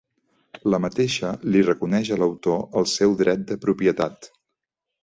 La mateixa li reconeix a l'autor el seu dret de propietat.